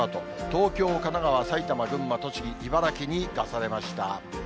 東京、神奈川、埼玉、群馬、栃木、茨城に出されました。